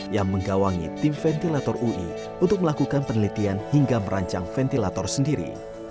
yang menggawangi tim ventilator ui untuk melakukan penelitian hingga merancang ventilator sendiri